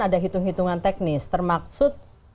ada hitung hitungan teknis termaksud